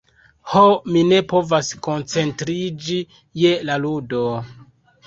Ho, mi ne povas koncentriĝi je la ludo...